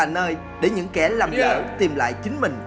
tôi là người giết